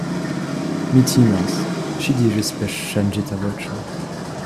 Mi timas, ŝi diris per ŝanĝita voĉo.